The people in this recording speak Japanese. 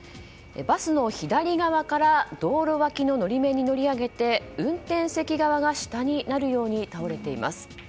バスの左側から道路脇の法面に乗り上げて運転席側が下になるように倒れています。